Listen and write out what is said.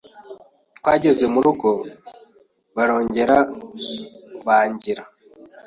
Twageze mu rugo barongera bangira